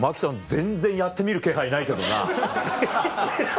全然やってみる気配ないけどな。